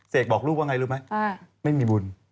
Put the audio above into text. บอกลูกว่าไงรู้ไหมไม่มีบุญ